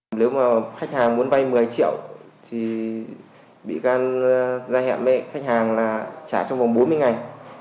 nếu mà khách hàng muốn vay một mươi triệu thì bị can ra hẹn với khách hàng là trả trong vòng bốn mươi ngày